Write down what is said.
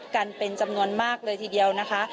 กันเป็นจำนวนมากเลยทีเดียวนะคะ